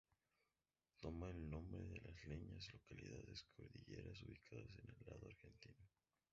Toma el nombre de Las Leñas, localidad cordillerana ubicada en el lado argentino.